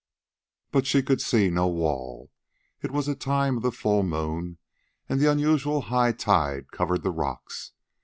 But she could see no wall. It was the time of the full moon, and the unusual high tide covered the rocks.